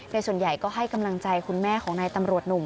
โดยส่วนใหญ่ก็ให้กำลังใจคุณแม่ของนายตำรวจหนุ่ม